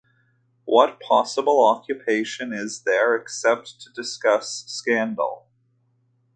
What possible occupation is there except to discuss scandal?